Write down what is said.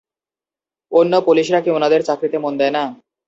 অন্য পুলিশরা কী উনাদের চাকরিতে মন দেয় না?